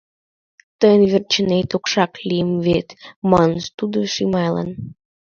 — Тыйын верчынет окшак лийым вет, — манын тудо Шимайлан.